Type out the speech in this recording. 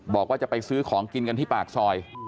บอกว่าจะไปซื้อของกินกันที่ปากซอย